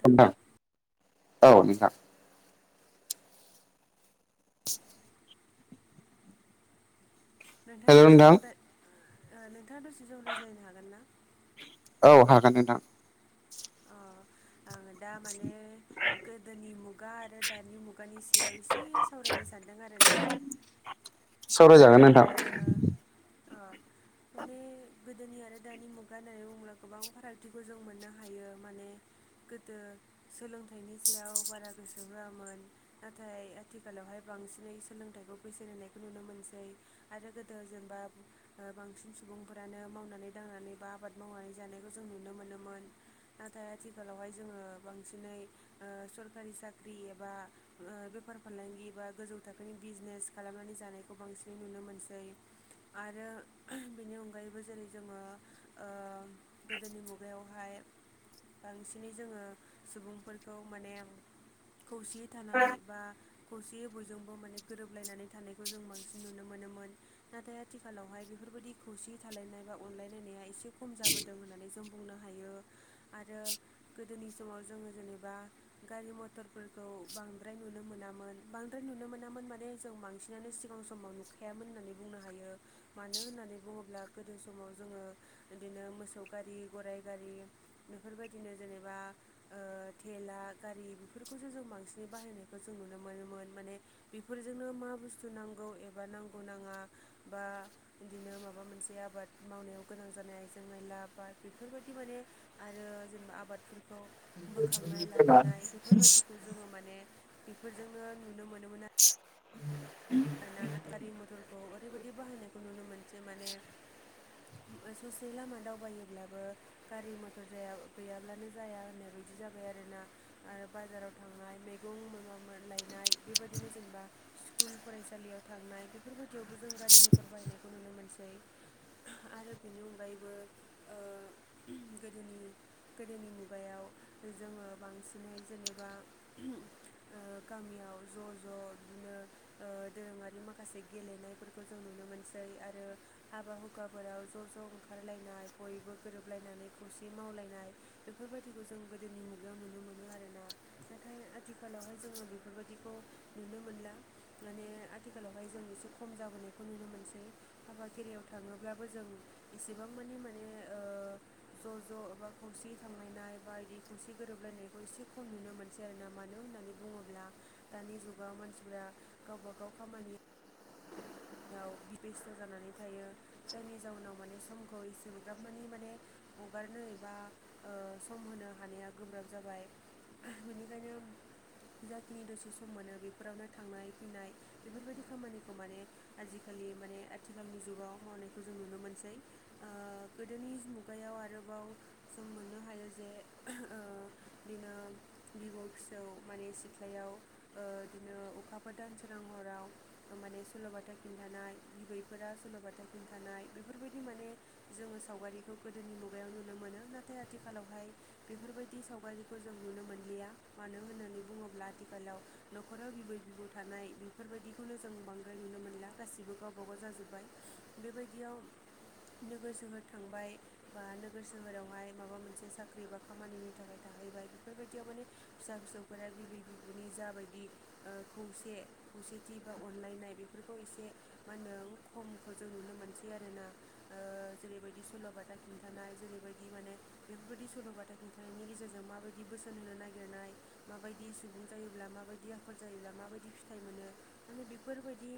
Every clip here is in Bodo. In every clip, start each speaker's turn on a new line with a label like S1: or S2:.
S1: नोंथां औ नोंथां [unintelligible] [inaudible]
S2: नोंथाङा
S1: हेल' नोंथां
S2: दसेजों ओ नोंथाङा दसेसम रायज्लायनो हागोन ना?
S1: औ हागोन नोंथां।
S2: अ आं दा माने गोदोनि मुगा आरो दानि मुगानि सायाव एसे सावरायनो सानदों आरो ना
S1: सवराय जागोन नोंथां।
S2: ओ अ माने गोदोनि आरो दानि मुगा होननानै बुङोब्ला गोबां फारागथिखौ जों मोननो हायो माने गोदो सोलोंथाइनि सायाव बारा गोसो होआमोन नाथाय आथिखालावहाय बांसिनै सोलोंथाइखौ बैसो होनायखौ नुनो मोनसै। आरो गोदो जेनेबा बांसिन सुबुंफोरानो मावनानै दांनानै बा आबाद मावनानै जानायखौ जों नुनो मोनोमोन। नाथाय आथिखालावहाय जोङो बांसिनै सरखारि साख्रि एबा बेफार फालांगि बा गोजौ थाखोनि बिजनेस खालामनानै जानायखौ बांसिनै नुनो मोनो सै आरो बेनि अनगायैबो जेरै जोङो ओ गोदोनि मुगायावहाय बांसिनै जोङो सुबुंफोरखौ माने खौसेयै थानाय बा खौसेयै बयजोंबो माने गोरोबलायनानै थानायखौ जों बांसिन नुनो मोनोमोन। नाथाय आथिखालावहाय बेफोरबायाददि खौसे थालायनाय बा अनलायलायनाया एसे खम जाबोदों होननानै जों बुंनो हायो आरो गोदोनि समाव जोङो जेनेबा गारि-मथरफोरखौ बांद्राय नुनो मोनामोन बांद्राय नुनो मोनामोन माने जों बांसिन बिनो सिगां समाव नुखायामोन होननानै बुंनो हायो। मानो होननानै बुङोब्ला गोदो समाव जोङो बिदिनो मोसौ गारि गराइ गारि बेफोरबायदिनो जेनेबा थेला, गारि बेफोरखौसो जों बांसिनै बाहायनायखौ जों नुनो मोनोमोन माने बेफोरजोंनो मा बुस्थु नांगौ एबा नांगौ नाङा बा बिदिनो माबा मोनसे आबाद मावनायाव गोनां जानाय आइजें-आयला आबाद बेफोरबायदि माने आरो जेनेबा आबादफोरखौ बोखांनाय लाबोनाय बेफोरबायदिखौ जोङो माने बेफोरजोंनो नुनो मोनोमोन आरो बायना ना गारि मथरखौ ओरैबायदि बाहायनायखौ नुनो मोनसे माने ससे लामा दावबायोब्लाबो गारि-मथर जाया गैयाब्लानो जाया होननाय बायदि जाबाय आरोना। आरो बाजाराव थांनाय मैगं मा लायनाय बेबायदिनो जेनेबा स्कुल फरायसालियाव थांनाय बेफोरबायदियावबो जों गारि-मथर बाहायनायखौ नुनो मोनसै। आरो बेनि अनगायैबो गोदोनि गोदोनि मुगायाव जोङो बांसिनहै जेनेबा गामियाव ज' ज' बिदिनो दोरोङारि माखासे गेलेनायफोरखौ जों नुनो मोनसै आरो हाबा हुखाफोराव ज' ज' ओंखारलायनाय बयबो गोरोबलायनानै खौसे मावलायनाय बेफोरबायदिखौ जों गोदोनि मुगायाव नुनो मोनो आरोना नाथाय आथिखालावहाय जोङो बेफोरबादिखौ नुनो मोनला माने आथिखालावहाय जों एसे खम जाबोनायखौ नुनो मोनसै हाबा खेराइयाव थाङोब्लाबो जों एसेबां मानि माने ज' ज' एबा खौसे थांलायनाय बायदि खौसे गोरोबलायनायखौ एसे खम नुनो मोनो। आरोना मानो होननानै बुङोब्ला दानि जुगाव मानसिफोरा गावबा गाव खामानि याव बिबेस्त' जानानै थायो जायनि जाउनाव माने समखौ इसेग्राब मानि माने हगारनो एबा सम होनो हानाया गोब्राब जाबाय बिनिखायनो जाखिनि दसे सम मोनो बेफोरावनो थांनाय-फैनाय बेफोरबायदि खामानिखौ माने आजिखालि माने आथिखालनि जुगाव मावनायखौ जों नुनो मोनसै। गोदोनि मुगायाव आरोबाव जों मोननो हायो जे बिदिनो बिबौ-फिसौ माने सिथ्लायाव बिदिनो अखाफोर दानसोनां हराव माने सल'बाथा खिनथानाय बिबैफोरा सल'बाथा खिनथानाय बेफोरबायदि माने जोङो सावगारिखौ गोदोनि मुगायाव नुनो मोनो नाथाय आथिखालावहाय बेफोरबायदि सावगारिखौ जों नुनो मोनलिया मानो होननानै बुङोब्ला आथिखालाव न'खराव बिबै-बिबौ थानाय बेफोरबायदिखौनो जों बांद्राय नुनो मोनला गासिबो गावबाागाव जाजोबबाय बेबायदियाव नोगोर-सोहोर थांबाय बा नोगोर सोहोरावहाय माबा मोनसे साख्रि बा खामानिनि थाखाय थाहैबाय बेफोरबायदियाव माने फिसा-फिसौफोरा बिबै-बिबौनि जाबायदि खौसे खौसेथि बा अनलायनाय बेफोरखौ एसे मा होनो खमखौ जों नुनो मोनसै आरोना जेरैबायदि सल'बाथा खिन्थानाय जेरैबायदि माने बेफोरबायदि सल'बाथा खिन्थानायनि गेजेरजों माबायदि बोसोन होनो नागिरनाय माबायदि सुबुं जायोब्ला, माबायदि आखल जायोब्ला‌ माबायदि फिथाइ मोनो माने बेफोरबायदि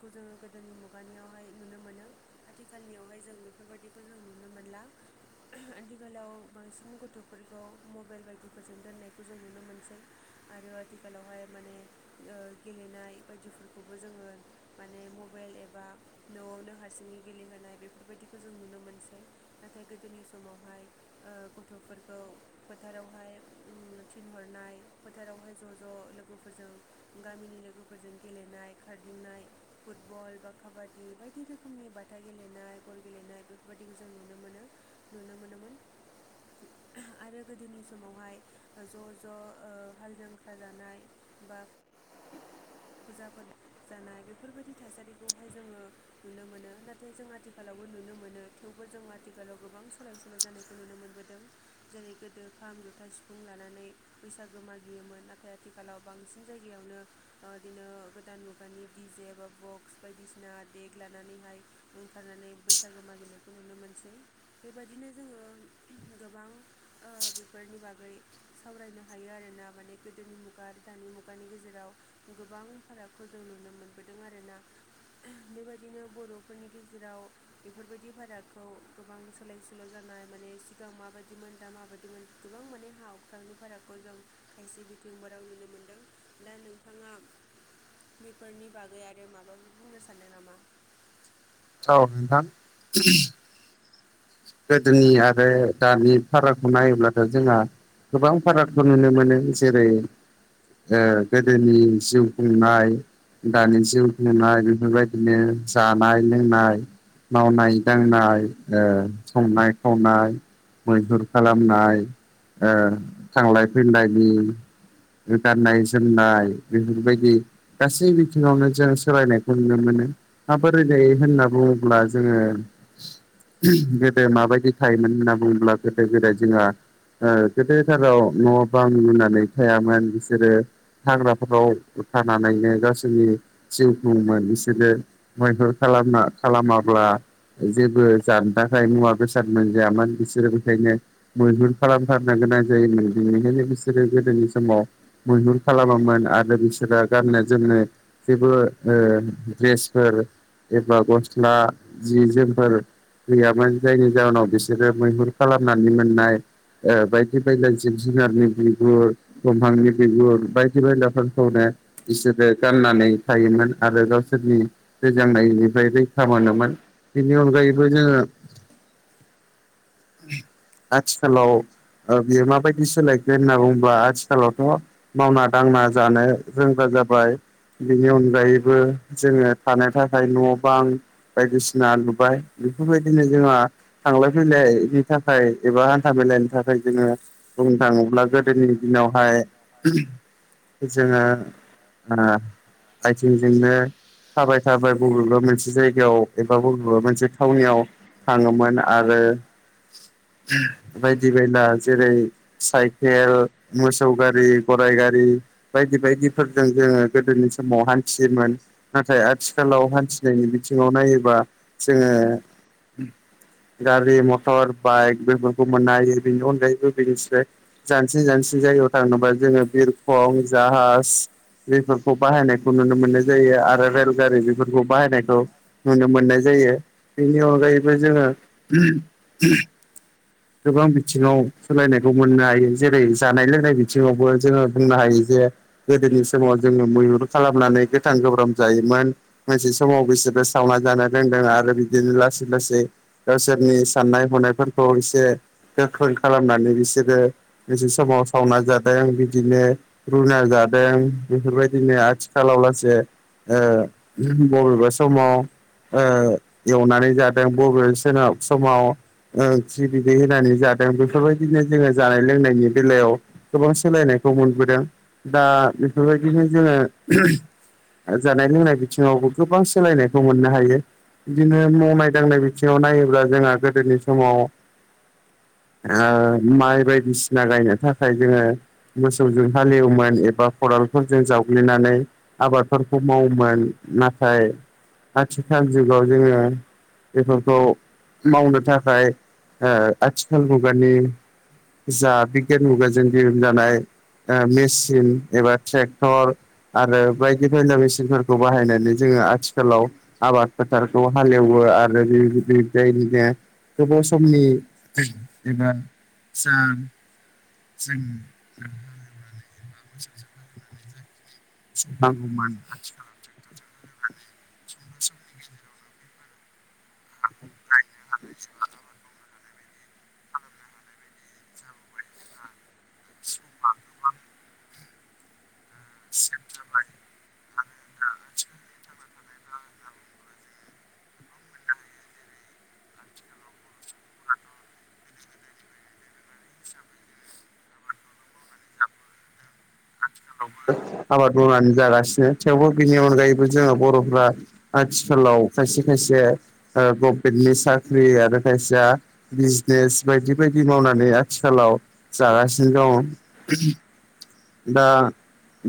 S2: खौ जोङो गोदोनि मुगानियावहाय नुनो मोनो। आथिखालनियावहाय जों बेफोरबायखौ नुनो मोनला। आथिखालाव बांसिन गथ'फोरखौ मबाइल बायदिफोरजों दोननायखौ जों नुनो मोनसै। आरो आथिखालावहाय माने गेलेनाय बायदिफोरखौबो जोंङो माने मबाइल एबा न'आवनो हारसिङै गेलेहोनाय बेफोरबायदिखौ जों नुनो मोनसै। नाथाय गोदोनि समावहाय गथ'फोरखौ फोथारावहाय थिनहरनाय फोथारावहाय ज' ज' लोगोफोरजों गामिनि लोगोफोरजों गेलेनाय खारदिंनाय फुटबल बा काबादि बायदि रोखोमनि बाथा गेलेनाय गल गेलेनाय बेफोरबायाददिखौ जों नुनो मोनो। नुनो मोनोमोन आरो गोदोनि समावहाय ज' ज' हाल जांख्रा जानाय बा फुजाफोर जानाय बेफोरबायदि थासारिखौहाय जोंङो नुनो मोनो नाथाय जों आथिखालावबो नुनो मोनो थेवबो जों आथिखालाव गोबां सोलाय सोल' जानाय खौ नुनो मोनबोदों जेरै गोदो खाम जथा सिफुं लानानै बैसाग गोमागियोमोन नाथाय आथिखालाव बांसिन जायगायावनो बिदिनो गोदान मुगानि बिजि जे बा बक्स बायदिसिना देग लानानैहाय ओंखारनानै बैसागो मागिनायखौ नुनो मोनसै बेबायदिनो जोंङो गोबां ओ बेफोरनि बागै सावरायनो हायो आरोना माने गोदोनि मुगा दानि मुगानि गेजेराव गोबां फारागखौ जों नुनो मोनबोदों आरोना। बेबायदिनो बर'फोरनि गेजेराव बेफोरबायदि भाराखौ गोबां सोलाय सोल' जानाय माने सिगां माबायदिमोन दा माबायदिमोन गोबां माने हा हख्रांनि भारागखौ जों खायसे बिथिंफोराव नुनो मोनदों दा नों थांङा बेफोरनि बागै आरो माबाफोर बुंनो सानदों नामा?
S1: औ नोंथां। गोदोनि आरो दानि फारागखौ नायोब्लाथ' जोंहा गोबां फारागखौ नुनो मोनो जेरै गोदोनि जिउ खुंनाय दानि जिउ खुननाय बेफोरबायदिनो जानाय लोंनाय मावनाय दांनाय संनाय खावनाय मैहुर खालामनाय थांलाय फैलायनि गाननाय जोमनाय बेफोरबायदि गासै बिथिंङावनो जों सोलायनायखौ नुनो मोनो। हा बादोरायनाय होनना बुंङोब्ला जोंङो गोदो माबायदि थायोमोन होनना बुङोब्ला गोदो गोदाय जोंहा गोदोथाराव न' बां लुनानै थायामोन बिसोरो हाग्राफोराव उथानानैनो गावसोरनि जिउ खुंङोमोन बिसोरो मैहुर खालामना खालामाब्ला जेबो जानो ओमफ्राय मुवा बेसाद मोनजायामोन बिसोरो बेखायनो मैहुर खालामथारनो गोनां जायोमोन बेनिखायनो बिसोरो गोदोनि समाव मैहुर खालामामोन आरो बिसोरो गाननो जोंमनो जेबो द्रेसफोर एबा गस्ला जि जोमफोर'औ गैयामोन जायनि जाहोनाव बिसोरो मैहुर खालामनानै मोननाय ओ बायदि बायला जिब जुनारनि बिगुर दंफांनि बिगुर बायदि बायलाफोरखौनो बिसोरो गाननानै थायोमोन आरो गावसोरनि गोजांनायनिफ्राय रैखा मोनोमोन बेनि अनगायैबो जोंङो
S2: [inaudible]
S1: आथिखालाव औ बियो माबायदि सोलायगोन होनना बुंङोबा आथिखालावथ' मावना दांना जानो रोंग्रा जाबाय बेनि अनगायैबो जोङो थानो थाखाय न' बां बायदिसिना लुबाय बेफोरबायदि दिनै जोंहा थांलाय फैलायनि थाखाय एबा हान्था मेलाायनि थाखाय जोङो बुंनो थाङोब्ला गोदोनि दिनावहाय जोङो आइथिंजोंनो थाबाय थाबाय बबेबा मोनसे जायगायाव एबा बबेबा मोनसे थावनियाव थाङोमोन आरो बायदि बायना जेरै साइकेल मोसौ गारि गराइ गारि बायदि बायदिफोरजों जोङो गोदोनि समाव हान्थियोमोन नाथाय आथिखालाव हान्थिनायनि बिथिङाव नायोबा जोङो गारि मथर बाइक बेफोरखौ मोननो हायो बेनि अनगायैबो बेनोसै जानस्रि जानस्रि जायगायाव थांनोबा जोङो बिरखं जाहाज बेफोरखौ बाहायनायखौ नुनो मोननाय जायो आरो रेलगारि बेफोरखौ बाहायनायखौ नुनो मोननाय जायो बेनि अनगायैबो जोङो गोबां बिथिङाव सोलायनायखौ मोननो हायो जेरै जानाय लोंनाय बिथिङावबो जोङो बुंनो हायो जे गोदोनि समाव जोङो मैहुर खालामनानै गोथां गोब्राम जायोमोन मोनसे समाव बिसोरो सावना जानो रोंदों आरो बिदिनो लासै लासै लासै गावसोरनि साननाय हनायफोरखौ एसे गोख्रों खालामनानै बिसोरो बेसे समाव सावना जादों बिदिनो रुना जादों बेफोरबायदिनो आथिखालाव लासै ओ बबेबा समाव ओ एवनानै जाद दों बबेबा सेना समाव ओंख्रि बिदै होनानै जादों बेफोरबायदिनो जोङो जानाय लोंनायनि बेलायाव गोबां सोलायनायखौ मोनबोदों दा बेफोरबायदिनो जोङो जानाय लोंनाय बिथिङावबो गोबां सोलायनायखौ मोननो हायो बिदिनो मावनाय दांनाय बिथिङाव नायोब्ला जोंहा गोदोनि समाव आ माइ बायदिसिना गायनो थाखाय जोङो मोसौजों हालेवोमोन एबा खदालफोरजों जावग्लिनानै आबादफोरखौ मावोमोन नाथाय आथिखाल जुगाव जोङो बेफोरखौ मावनो थाखाय ओ आथिखाल मुगानि जा बिगियान मुगाजों दिहुन जानाय ओ मेचिन एबा ट्रेक्टर आरो बायदि बायना मेचिनफोरखौ बाहायनानै जोङो आथिखालाव आबाद फोथारखो हालेएवो आ रो गोयै फोरा बिदिनो गोबाव समनि जोङो सान जों [unintelligible] मोसौ नांगौमोन आथिखालाव ट्रेक्टरजों हालेवनानै सुंद' समनि गेजेरावनो बेफोर [unintelligible] हानाय सम माखो मा होनो सेब जाबाय आं दा ओनसोलनि थांना आथिखालावबो आबाद मावनानै जागासिनो थेवबो बेनि अनगायैबो जोङो बर'फ्रा आथिखालाव खायसे खायसे ओ गभमेन्टनि साख्रि आरो खायसेया बिजनेस बायदि बायदि मावनानै आथिखालाव जागासिनो दं। दा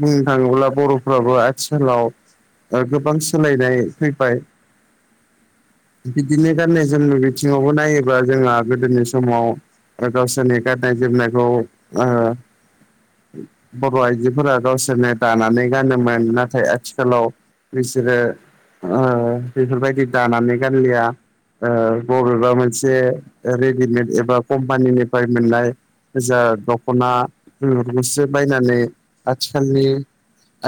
S1: बुंनो थाङोब्ला बर'फ्राबो आथिखालाव गोबां सोलायनाय फैबाय बिदिनो गाननाय जोमनाय बिथिङावबो नायोबा जोंहा गोदोनि समाव गावसोरनि गाननाय जोमनायखौ बर' आइजोफोरा गावसोरनो दानानै गानोमोन नाथाय आथिखालाव बिसोरो बेफोरबायदि दानानै गानलिया ओ बबेबा मोनसे रेडिमेड एबा कम्पानिनिफ्राय मोननाय जा दख'ना गोसो बायनानै आथिखालनि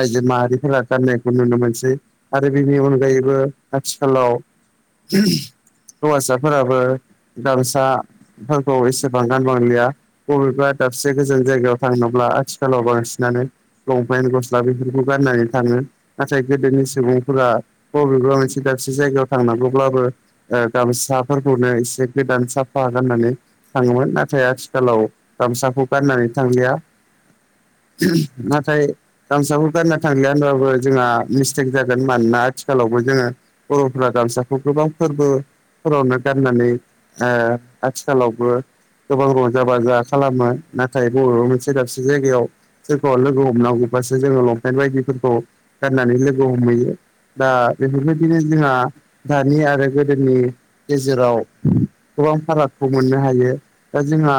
S1: आइजो माहारिफोरा गाननायखौ नुनो मोनसै आरो बेनि अनगायैबो आथिखालाव हौवासाफोराबो गामसा फोरखौ एसे गानबांलिया बबेबा दाबसे गोजान जायगायाव थांनोब्ला आथिखालाव बांसिनानो लंपेेन गस्ला बेफोरखौ गाननानै थाङो। नाथाय गोदोनि सुबुंफोरा बबेबा मोनसे दाबसे जायगायाव थांनांगौब्लाबो ओ गामसाफोरखौनो एसे गोदान साफागोन गाननानै थाङोमोन नाथाय आथिखालाव गामसाखौ गाननानै थांलिया। नाथाय गामसाखौ गानना थांलिया होनबाबो जोंहा मिस्टेक जागोन मानोना आथिखालावबो जोङो बर'फ्रा गामसाखौ गोबां फोरबो फोरावनो गाननानै ओ आथिखालावबो गोबां रंजा बाजा खालामो नाथाय बर'बो मोनसे दाबसे जायगायाव सोरखौबा लोगो हमनांगौबासो जोङो लंपेन्ट बायदिफोरखौ गाननानै लोगो हमहैयो। दा बेफोरबायदिनो जोंहा दानि आरो गोदोनि गेजेराव गोबां फारागखौ मोननो हायो। दा जोंहा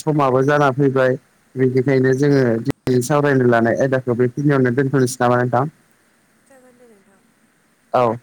S1: समाबो जाना फैबाय बेनिखायनो जोङो दिनै सावरायनो लानाय आयदाखौ बेखिनियावनो दोनथ'नोसै नामा नोंथां?
S2: जागोन दे नोंथां।
S1: औ